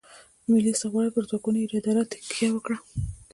د ملي استخباراتو پر ځواکمنې ادارې تکیه وکړه.